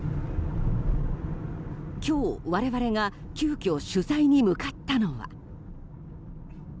今日、我々が急きょ取材に向かったのは。